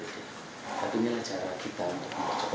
tapi inilah cara kita untuk